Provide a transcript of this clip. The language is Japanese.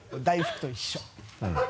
大福と一緒。